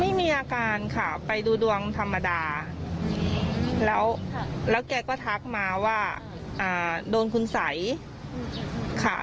ไม่มีอาการค่ะไปดูดวงธรรมดาแล้วแล้วแกก็ทักมาว่าโดนคุณสัยค่ะ